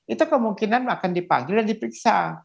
itu kemungkinan akan dipanggil dan diperiksa